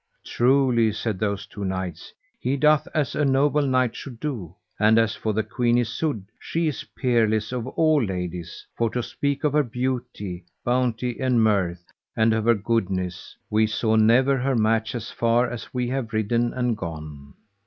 Truly, said those two knights, he doth as a noble knight should do; and as for the Queen Isoud, she is peerless of all ladies; for to speak of her beauty, bounté, and mirth, and of her goodness, we saw never her match as far as we have ridden and gone.